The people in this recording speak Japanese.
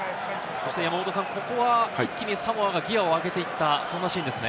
ここは一気にサモアがギアを上げていたシーンですね。